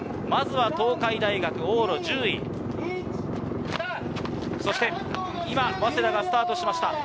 まずは東海大学、往路１０位、そして今、早稲田がスタートしました。